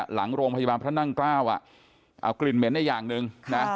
หลังโรงพยาบาลพระนั่งเกล้าอ่ะเอากลิ่นเหม็นได้อย่างหนึ่งนะ